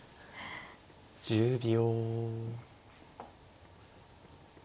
１０秒。